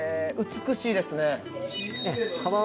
美しいですね。